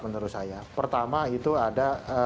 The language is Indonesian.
menurut saya pertama itu ada